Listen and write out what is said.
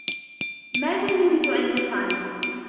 ماذا يريد أن يفعل ؟